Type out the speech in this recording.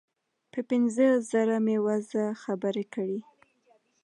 په پنځه زره مې وزه خبرې کړې.